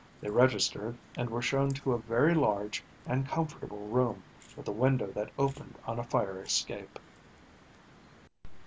They registered and were shown to a very large and comfortable room with a window that opened on a fire escape.